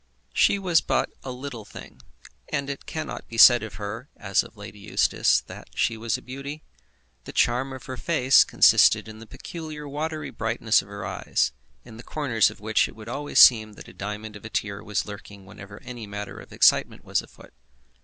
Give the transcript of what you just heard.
She was but a little thing; and it cannot be said of her, as of Lady Eustace, that she was a beauty. The charm of her face consisted in the peculiar, watery brightness of her eyes, in the corners of which it would always seem that a diamond of a tear was lurking whenever any matter of excitement was afoot.